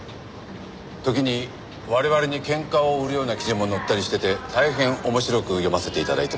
時に我々に喧嘩を売るような記事も載ったりしてて大変面白く読ませて頂いてます。